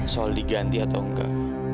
soal diganti atau tidak